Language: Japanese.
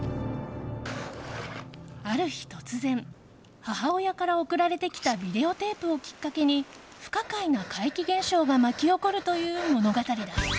ある日、突然母親から送られてきたビデオテープをきっかけに不可解な怪奇現象が巻き起こるという物語だ。